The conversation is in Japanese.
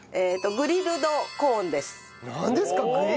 グリル・ド・コーン！